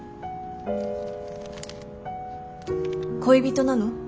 恋人なの？